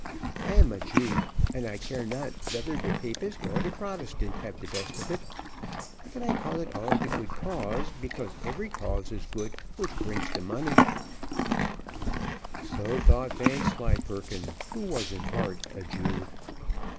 I am a Jew, and I care not whether de Papist or de Protestant have de best of it but I call it all de good cause, because every cause is good which brings de monish." So thought Vanslyperken, who was in heart a Jew.